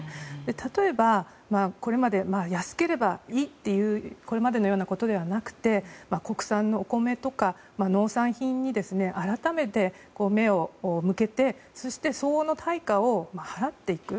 例えば、安ければいいというこれまでのようなことではなくて国産のお米とか農産品に改めて、目を向けてそして相応の対価を払っていく。